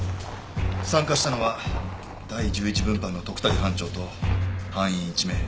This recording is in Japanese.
参加したのは第１１分班の徳武班長と班員１名。